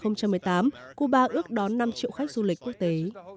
năm hai nghìn một mươi tám cuba ước đón năm triệu khách du lịch quốc tế